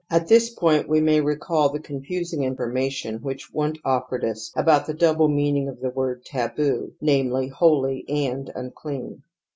At this point we may recall the confusing in formation which Wimdt offered us about the double meaning of the word taboo, namely, holy and unclean (sefe above).